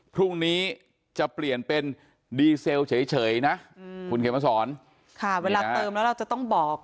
พรุ่งนี้จะเปลี่ยนเป็นดีเซลเฉยนะคุณเขียนมาสอนค่ะเวลาเติมแล้วเราจะต้องบอก